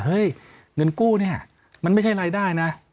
เงินกู้เนี่ยมันไม่ใช่รายได้นะ